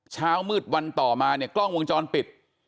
เช้ามืดวันต่อมาเนี่ยกล้องวงจรปิด